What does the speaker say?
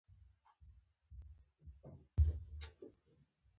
خپل زخم هغه چا ته مه ورښيه، له چا سره چي ملهم نه يي.